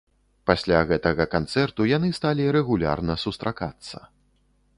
Пасля гэтага канцэрту яны сталі рэгулярна сустракацца.